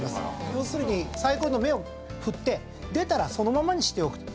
要するにサイコロの目を振って出たらそのままにしておくと。